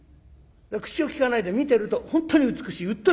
口を利かないで見てると本当に美しい。